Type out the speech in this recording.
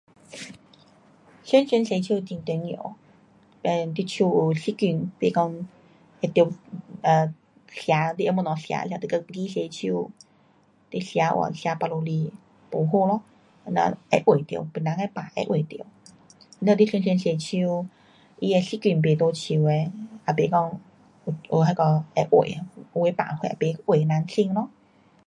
常常洗手会重要，嘞你手有细菌不讲会得 um 吃你的东西吃就跟忘记洗手你吃了吃肚子里不好咯，这样咯会传到，别人的病会传得。了你常常洗手它的细菌甭在手的，也甭讲有，有那个会传。有的病什么也甭传人身咯。